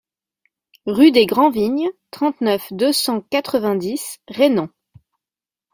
Rue des Grand Vignes, trente-neuf, deux cent quatre-vingt-dix Rainans